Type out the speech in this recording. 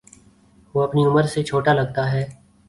وہ اپنی عمر سے چھوٹا لگتا ہے